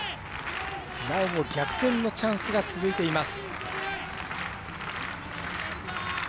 なおも逆転のチャンスが続いています。